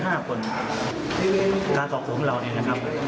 การให้ความสำคัญของเราเนี่ยครับ